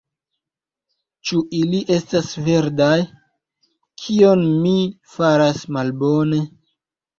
Ĉu ili estas verdaj? Kion mi faras malbone?